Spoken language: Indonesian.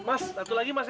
mas satu lagi mas ya